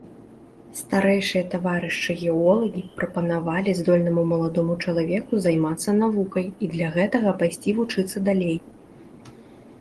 Старэйшыя таварышы-геолагі прапанавалі здольнаму маладому чалавеку займацца навукай і для гэтага пайсці вучыцца далей.